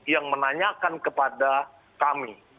yang menanyakan kepada kami